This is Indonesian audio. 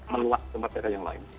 meluat tempat tempat yang lain